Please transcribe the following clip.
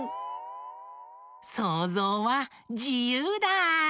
そうぞうはじゆうだ！